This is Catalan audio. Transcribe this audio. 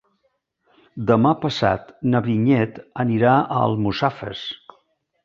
Demà passat na Vinyet anirà a Almussafes.